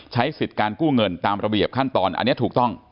ใช้สิทธิ์การกู้เงินตามระเบียบขั้นตอนอันนี้ถูกต้อง